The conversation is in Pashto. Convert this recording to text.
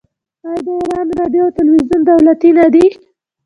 آیا د ایران راډیو او تلویزیون دولتي نه دي؟